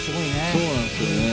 そうなんですよね。